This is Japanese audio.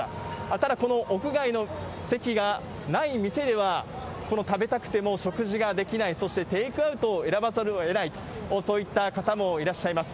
ただ、この屋外の席がない店では、食べたくても食事ができない、そしてテイクアウトを選ばざるをえないと、そういった方もいらっしゃいます。